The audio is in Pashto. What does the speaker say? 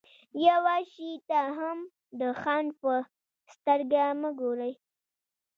يوه شي ته هم د خنډ په سترګه مه ګورئ.